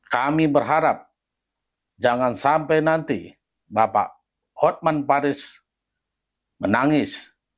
kami berharap jangan sampai nanti bapak hotman paris menangis